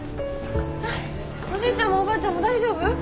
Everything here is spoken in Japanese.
おじいちゃんもおばあちゃんも大丈夫？